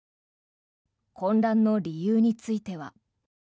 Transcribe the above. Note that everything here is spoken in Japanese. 混乱の理由については。